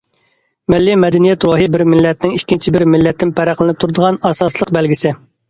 مىللىي مەدەنىيەت روھى بىر مىللەتنىڭ ئىككىنچى بىر مىللەتتىن پەرقلىنىپ تۇرىدىغان ئاساسلىق بەلگىسى.